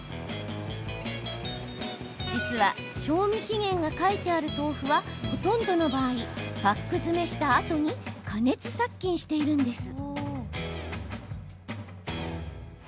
実は賞味期限が書いてある豆腐は、ほとんどの場合パック詰めしたあとに加熱殺菌しているんです。